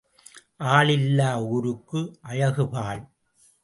ஆள் இல்லா ஊருக்கு அழகு பாழ்.